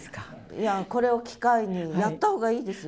いやこれを機会にやったほうがいいですよ。